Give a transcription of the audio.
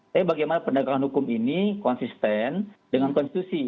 tapi bagaimana penegakan hukum ini konsisten dengan konstitusi